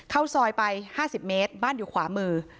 เข้าซอยไป๕๐เมตรบ้านอยู่ขวามือ